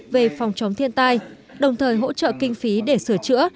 về phòng chống thiên tai đồng thời hỗ trợ kinh phí để sửa chữa